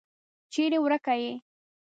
چیري ورکه یې ؟